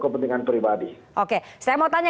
kepentingan pribadi oke saya mau tanya